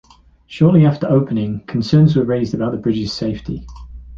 Shortly after its opening, concerns were raised about the bridge's safety.